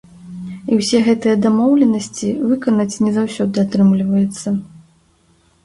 І ўсе гэтыя дамоўленасці выканаць не заўсёды атрымліваецца.